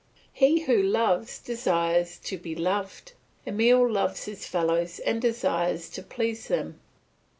He who loves desires to be loved, Emile loves his fellows and desires to please them.